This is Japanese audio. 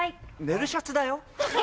ネルシャツだよ？